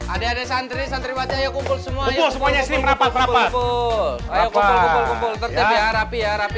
adek adek santri santri baca ya kumpul semua ya